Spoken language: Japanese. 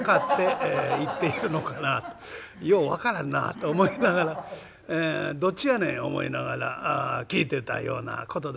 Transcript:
よう分からんなあと思いながらどっちやねん思いながら聞いてたようなことでございますが。